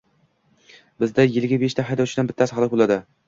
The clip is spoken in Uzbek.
Bizda yiliga beshta haydovchidan bittasi halok bo`ladi